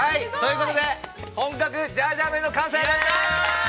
◆ということで、本格ジャージャー麺の完成です。